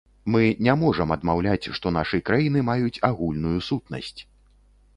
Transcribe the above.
Мы не можам адмаўляць, што нашы краіны маюць агульную сутнасць.